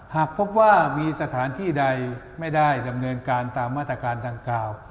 หากพบว่ามีสถานที่ใดไม่ได้ดำเนินการตามมาตรการดังกล่าว